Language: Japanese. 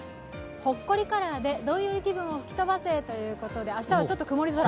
ほっこりカラーで、どんより気分を吹き飛ばせということで明日はちょっと曇り空。